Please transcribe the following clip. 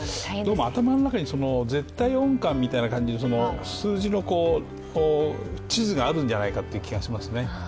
どうも頭の中に絶対音感みたいな感じで数字の地図があるんじゃないかという気がしますね。